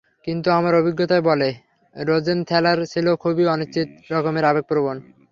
কিন্তু আমার অভিজ্ঞতায় বলে, রোজেনথ্যালার ছিল খুবই অনিশ্চিত রকমের আবেগপ্রবণ।